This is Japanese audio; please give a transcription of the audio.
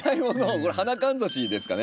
これ花かんざしですかね？